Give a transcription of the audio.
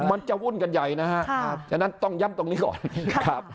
มันจะวุ่นกันใหญ่นะครับฉะนั้นต้องย้ำตรงนี้ก่อนครับ